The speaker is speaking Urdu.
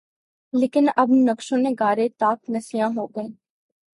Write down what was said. لیکن اب نقش و نگارِ طاق نسیاں ہو گئیں